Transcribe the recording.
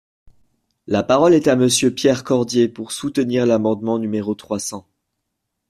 La parole est à Monsieur Pierre Cordier, pour soutenir l’amendement numéro trois cents.